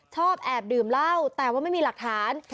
ชอบแอบดื่มเหล้าแต่ว่าไม่มีหลักฐาน